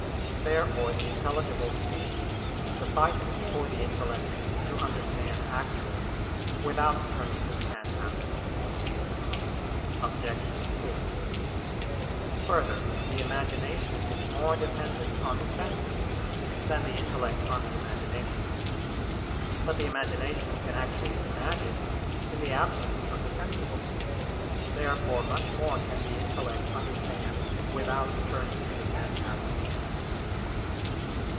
Therefore the intelligible species suffices for the intellect to understand actually, without turning to the phantasms. Obj. 2: Further, the imagination is more dependent on the senses than the intellect on the imagination. But the imagination can actually imagine in the absence of the sensible. Therefore much more can the intellect understand without turning to the phantasms.